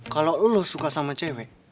kalau lo suka sama cewek